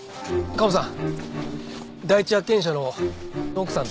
カモさん。